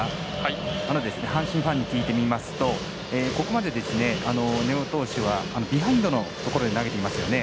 阪神ファンに聞いてみますとここまで、根尾投手はビハインドのところで投げていますよね。